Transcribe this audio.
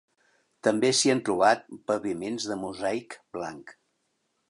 També s'hi han trobat paviments de mosaic blanc.